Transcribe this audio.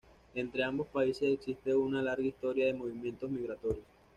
Entre ambos países existe una larga historia de movimientos migratorios.